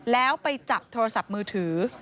แล้วไปจับโทรศัพท์มือถือ